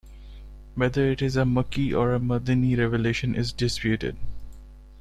Whether it is a Makki or a Madani revelation is disputed.